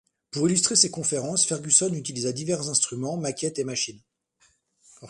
Pour illustrer ses conférences, Ferguson utilisa divers instruments, maquettes et machines.